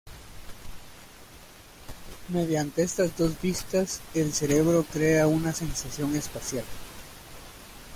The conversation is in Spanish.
Mediante estas dos vistas el cerebro crea una sensación espacial.